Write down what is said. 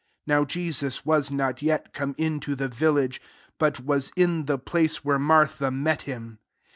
30 (Now Jesut was not yet come into the vil lage, but was in the place where Martha met him.)